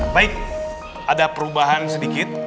baik ada perubahan sedikit